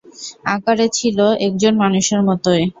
আকারে ছিলো একজন মানুষের মতোই।